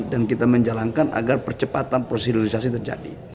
dan kita menjalankan agar percepatan proses hilirisasi terjadi